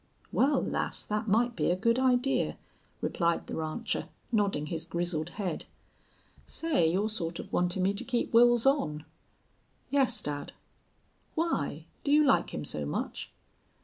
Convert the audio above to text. "Wal, lass, thet might be a good idee," replied the rancher, nodding his grizzled head. "Say, you're sort of wantin' me to keep Wils on." "Yes, dad." "Why? Do you like him so much?"